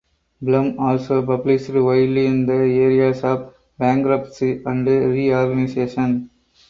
Blum also published widely in the areas of bankruptcy and reorganization.